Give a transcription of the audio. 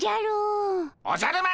おじゃる丸！